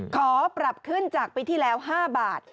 ขอปรับขึ้นจากปีที่แล้ว๕บาท